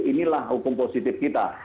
inilah hukum positif kita